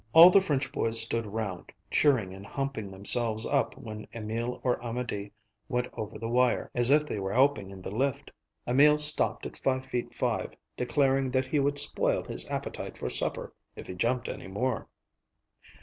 All the French boys stood round, cheering and humping themselves up when Emil or Amédée went over the wire, as if they were helping in the lift. Emil stopped at five feet five, declaring that he would spoil his appetite for supper if he jumped any more.